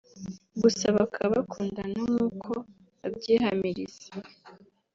gusa bakaba bakundana nk'uko abyihamiriza